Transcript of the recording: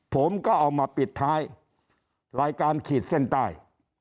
ผมก็เอามาปิดท้ายรายการขีดเส้นใต้